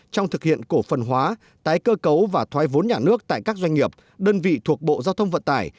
trong thực hiện cổ phần hóa tái cơ cấu và thoái vốn nhà nước tại các doanh nghiệp đơn vị thuộc bộ giao thông vận tải